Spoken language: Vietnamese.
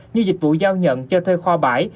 như dịch vụ giao nhận cho thuê kho bãi